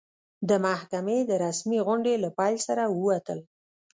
د محکمې د رسمي غونډې له پیل سره ووتل.